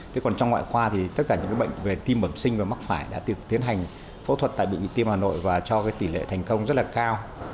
thế còn trong ngoại khoa thì tất cả những bệnh về tim bẩm sinh và mắc phải đã được tiến hành phẫu thuật tại bệnh viện tim hà nội và cho cái tỷ lệ thành công rất là cao